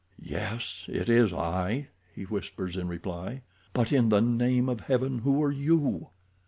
"Yes, it is I," he whispers in reply. "But in the name of Heaven who are you?"